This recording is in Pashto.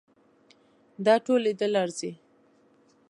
دا ټول لیدل ارزي.